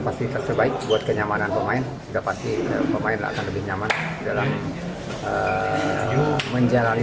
pasti terbaik buat kenyamanan pemain sudah pasti pemain akan lebih nyaman dalam menjalani